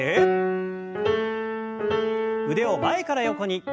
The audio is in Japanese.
腕を前から横に。